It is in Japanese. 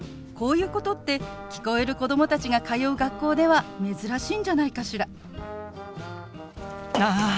こういうことって聞こえる子供たちが通う学校では珍しいんじゃないかしら。